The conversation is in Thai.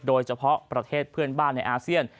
โดยเฉพาะประเทศเพื่อนบ้านในอาเซียน